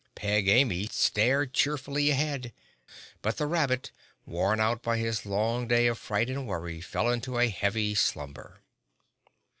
Peg Amy stared cheerfully ahead but the rabbit, worn out by his long day of fright and worry, fell into a heavy slumber.